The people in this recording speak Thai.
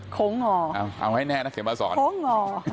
โค้งงอโค้งงอ